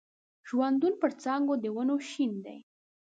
ژوندون پر څانګو د ونو شین دی